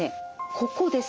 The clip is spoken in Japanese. ここです。